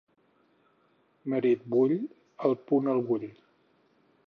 Marit vull, al punt el vull.